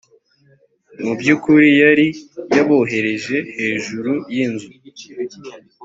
mu by’ukuri yari yabohereje hejuru y’inzu,